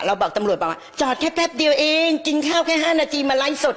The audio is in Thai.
บอกตำรวจบอกว่าจอดแค่แป๊บเดียวเองกินข้าวแค่๕นาทีมาไลฟ์สด